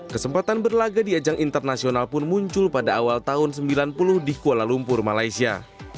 kesempatan berlaga di ajang internasional pun muncul pada awal tahun sembilan puluh di kuala lumpur malaysia